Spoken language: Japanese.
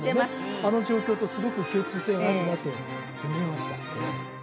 あの状況とすごく共通性があるなと思いました